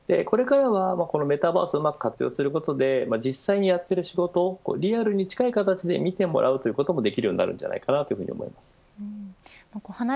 これからはこのメタバースをうまく活用することで実際にやっている仕事をリアルに近い形で見てもらうということもできるようになるんじゃないかなと思います。